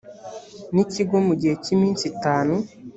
n ikigo mu gihe cy iminsi itanu.